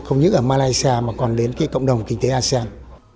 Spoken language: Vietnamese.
không những ở malaysia mà còn đến cái cộng đồng kinh tế asean